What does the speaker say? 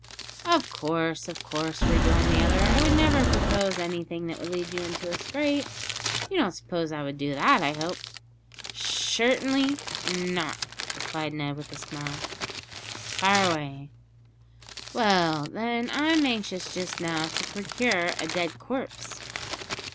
"Of course, of course," rejoined the other; "I would never propose anything that would lead you into a scrape. You don't suppose I would do that, I hope?" "Shertenly not," replied Ned with a smile; "fire away." "Well, then, I'm anxious just now to procure a dead corpse."